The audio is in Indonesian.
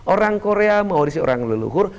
orang korea mewarisi nilai leluhur